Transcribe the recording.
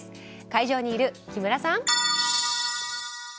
会場にいる木村さん。